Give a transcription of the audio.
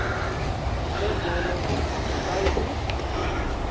Tre bone, kaj vi?